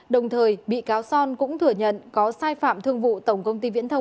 đồng thời bị cáo son cũng thừa nhận có sai phạm thương vụ tổng công ty viễn thông